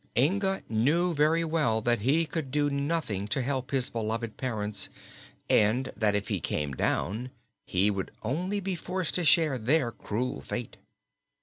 Inga knew very well that he could do nothing to help his beloved parents, and that if he came down he would only be forced to share their cruel fate.